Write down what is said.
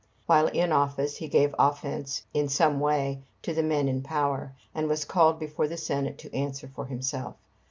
While in office he gave offence in some way to the men in power, and was called before the Senate to answer for himself.